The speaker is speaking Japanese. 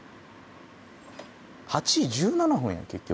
８時１７分やん結局。